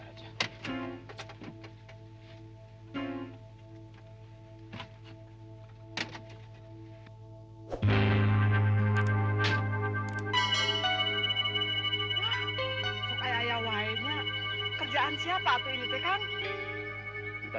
kok ayah ayah wae nya kerjaan siapa tuh ini tuyul kan